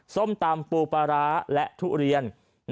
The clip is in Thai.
ส้มตำปูปลาร้าและทุเรียน